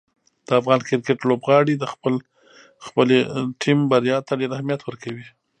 د افغان کرکټ لوبغاړي د خپلې ټیم بریا ته ډېر اهمیت ورکوي.